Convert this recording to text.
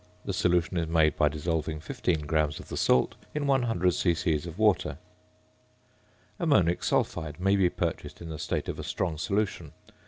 The solution is made by dissolving 15 grams of the salt in 100 c.c. of water. ~Ammonic Sulphide~ may be purchased in the state of a strong solution.